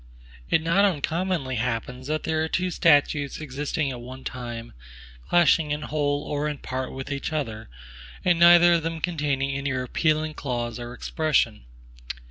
It not uncommonly happens, that there are two statutes existing at one time, clashing in whole or in part with each other, and neither of them containing any repealing clause or expression.